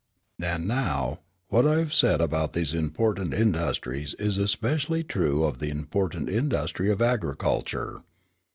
"And, now, what I have said about these important industries is especially true of the important industry of agriculture.